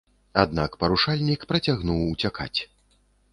Аднак парушальнік працягнуў уцякаць.